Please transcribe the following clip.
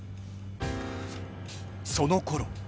［そのころ］